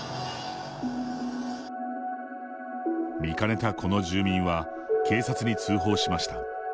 見かねたこの住民は警察に通報しました。